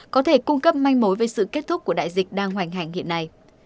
có thể cung cấp manh mối về sự kết thúc của đại dịch đang hoành hành hiện nay